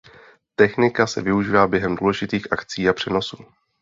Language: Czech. Technika se využívá během důležitých akcí a přenosů.